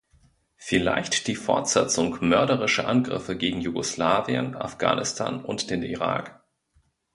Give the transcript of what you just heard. Vielleicht die Fortsetzung mörderischer Angriffe gegen Jugoslawien, Afghanistan und den Irak?